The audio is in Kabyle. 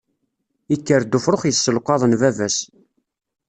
Ikker-d ufrux yesselqaḍen baba-s.